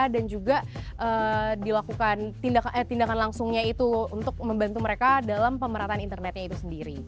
dan juga dilakukan tindakan langsung untuk membantu mereka dalam pemerataan internetnya itu sendiri